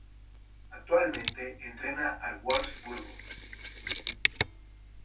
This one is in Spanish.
Actualmente entrena al Wolfsburgo.